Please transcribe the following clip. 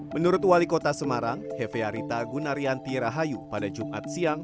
menurut wali kota semarang hefe arita gunarian tira hayu pada jumat siang